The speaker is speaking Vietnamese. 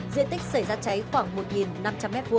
diện tích xảy ra cháy khoảng một năm trăm linh m hai